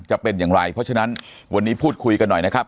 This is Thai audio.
จะเป็นอย่างไรเพราะฉะนั้นวันนี้พูดคุยกันหน่อยนะครับ